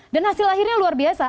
dan hasil akhirnya luar biasa